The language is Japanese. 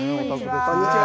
こんにちは。